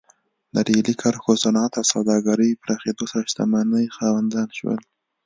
د ریلي کرښو، صنعت او سوداګرۍ پراخېدو سره شتمنۍ خاوندان شول.